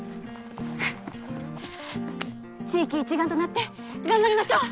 地域一丸となって頑張りましょう